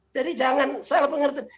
jadi jangan salah pengertian